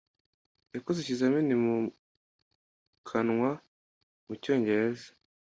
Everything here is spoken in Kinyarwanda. Yakoze ikizamini mu kanwa mucyongereza.